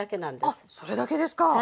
あっそれだけですか。